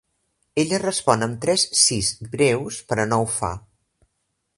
Ella respon amb tres sís breus, però no ho fa.